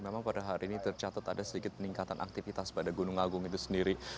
memang pada hari ini tercatat ada sedikit peningkatan aktivitas pada gunung agung itu sendiri